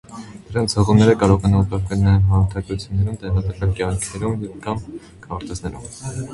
Դրանց հղումները կարող են ուղարկվել նաև հաղորդագրություններում, տեղադրվել կայքերում կամ քարտեզներում։